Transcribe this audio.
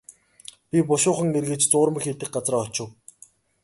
Би бушуухан эргэж зуурмаг хийдэг газраа очив.